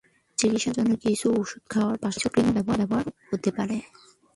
চিকিৎসার জন্য কিছু ওষুধ খাওয়ার পাশাপাশি কিছু ক্রিমও ব্যবহার করতে হতে পারে।